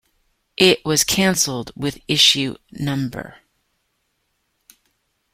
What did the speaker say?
It was cancelled with issue No.